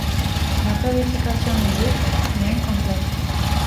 La qualification est juste, mais incomplète.